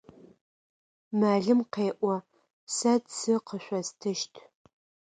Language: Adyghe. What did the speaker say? Мэлым къеӏо: Сэ цы къышъостыщт.